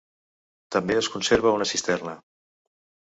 També es conserva una cisterna.